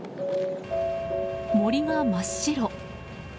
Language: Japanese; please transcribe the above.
森が真っ白。